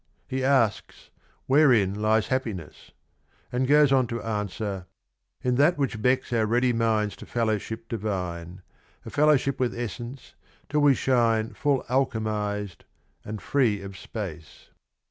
He asks " Wherein lies ha ppiness ?" and goes on to answer : In that which becks Our ready minds to fellowship divine, A fellowship with essence, till we shine Full alchemiz'd, and free of space.